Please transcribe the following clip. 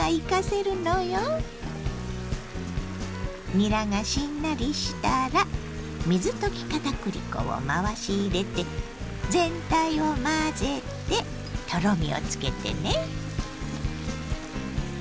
にらがしんなりしたら水溶き片栗粉を回し入れて全体を混ぜてとろみをつけてね。